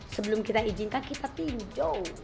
sebelum kita izinkan kita pinjau